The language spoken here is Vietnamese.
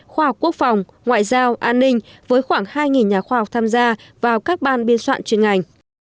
khoa học quốc phòng ngoại giao an ninh với khoảng hai nhà khoa học tham gia vào các ban biên soạn chuyên ngành